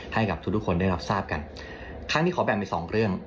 ให้กับทุกทุกคนได้รับทราบกันครั้งนี้ขอแบ่งเป็นสองเรื่อง